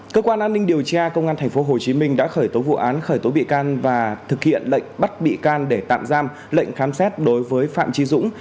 cơ quan an ninh điều tra công an tp hcm đã khởi tố vụ án khởi tố bị can và thực hiện lệnh bắt bị can để tạm giam lệnh khám xét đối với phạm trí dũng